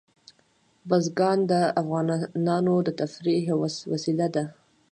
بزګان د افغانانو د تفریح یوه وسیله ده.